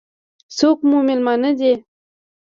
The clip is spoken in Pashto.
څوک مو مېلمانه دي؟